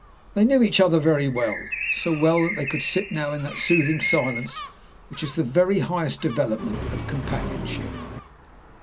They knew each other very well so well that they could sit now in that soothing silence which is the very highest development of companionship.